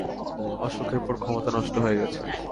অসুখের পর ক্ষমতা নষ্ট হয়ে গেছে।